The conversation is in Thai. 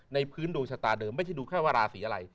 พื้นดวงชะตาเดิมไม่ใช่ดูแค่ว่าราศีอะไร